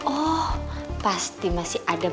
oh pasti masih ada